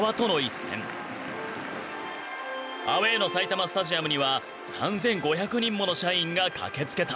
アウェーの埼玉スタジアムには３，５００人もの社員が駆けつけた。